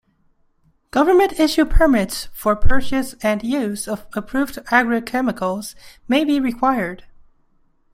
Government-issued permits for purchase and use of approved agrichemicals may be required.